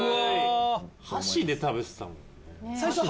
箸で食べてたもんね。